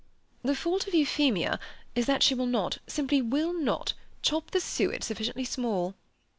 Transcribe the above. "The fault of Euphemia is that she will not, simply will not, chop the suet sufficiently small."